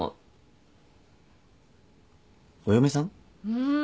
うん。